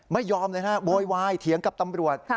ไม่ยอมเลยนะโวยวายเถียงกับตำรวจ